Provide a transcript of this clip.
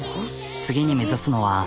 次に目指すのは。